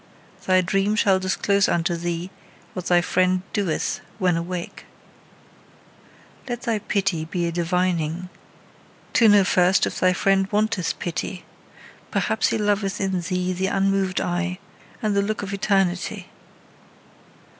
Thy dream shall disclose unto thee what thy friend doeth when awake. Let thy pity be a divining: to know first if thy friend wanteth pity. Perhaps he loveth in thee the unmoved eye, and the look of eternity.